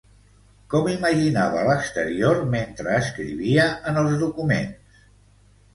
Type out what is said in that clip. Com imaginava l'exterior mentre escrivia en els documents?